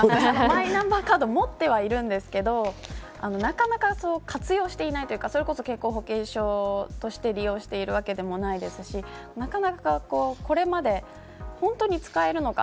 マイナンバーカード持ってはいるんですけどなかなか活用していないというかそれこそ健康保険証として利用しているわけでもないですしなかなか、これまで本当に使えるのか